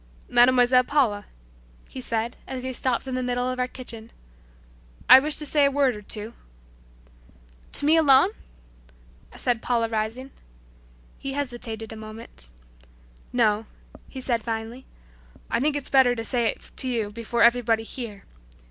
"Mademoiselle Paula," he said as he stopped in the middle of our kitchen, "I wish to say a word or two." "To me alone?" said Paula rising. He hesitated a moment. "No," he said finally, "I think it's better to say it to you before everybody here.